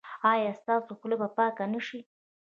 ایا ستاسو خوله به پاکه نه شي؟